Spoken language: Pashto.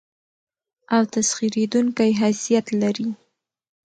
او تسخېرېدونکى حيثيت لري.